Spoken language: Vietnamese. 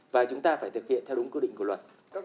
và chúng ta phải thực hiện theo đúng quy định của luật